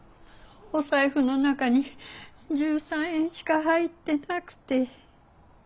お財布の中に１３円しか入ってなくて。